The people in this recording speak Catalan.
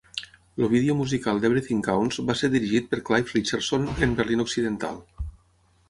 El vídeo musical d'"Everything Counts" va ser dirigit per Clive Richardson en Berlin Occidental.